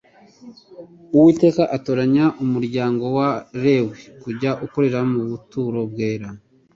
Uwiteka atoranya umuryango wa Lewi kujya ukorera mu buturo bwera,